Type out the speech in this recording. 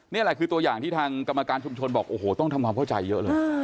นี่แหละคือตัวอย่างที่ทางกรรมการชุมชนบอกโอ้โหต้องทำความเข้าใจเยอะเลย